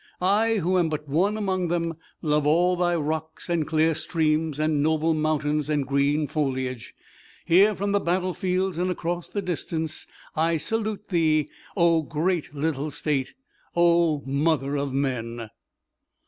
I, who am but one among them, love all thy rocks, and clear streams, and noble mountains and green foliage! Here, from the battle fields and across the distance I salute thee, O great little state! O mother of men!"